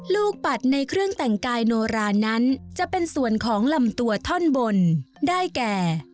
ปัดในเครื่องแต่งกายโนรานั้นจะเป็นส่วนของลำตัวท่อนบนได้แก่